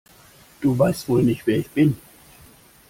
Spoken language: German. Du weißt wohl nicht, wer ich bin!